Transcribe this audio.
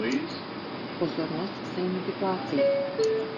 Pozornost se jim vyplácí.